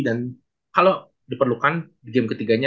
dan kalau diperlukan game ketiganya